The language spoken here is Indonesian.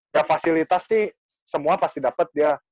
ya fasilitas sih semua pasti dapat dia